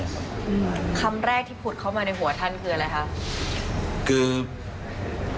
คำแรกที่พูดเข้ามาในหัวท่านคืออะไรคะ